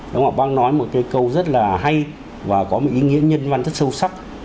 đúng rồi bác nói một câu rất là hay và có một ý nghĩa nhân văn rất sâu sắc